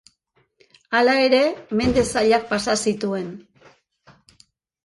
Hala ere mende zailak pasa zituen.